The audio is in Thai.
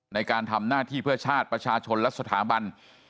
ในการทำหน้าที่เพื่อชาติประชาชนและสถาบัน